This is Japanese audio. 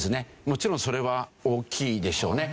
もちろんそれは大きいでしょうね。